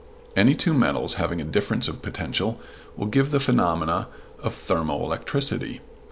Any two metals having a difference of potential will give the phenomena of thermo electricity.